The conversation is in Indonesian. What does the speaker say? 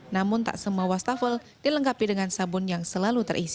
namun tak semua wastafel dilengkapi dengan sabun yang selalu terisi